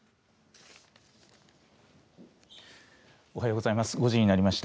おはようございます。